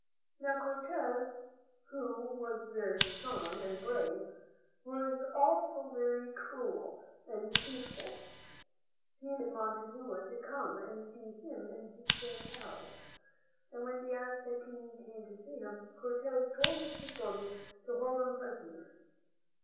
Now, Cortez, who was very strong and brave, was also very cruel and deceitful. He invited Montezuma to come and see him in his palace, and when the Aztec King came to see him, Cortez told his soldiers to hold him prisoner.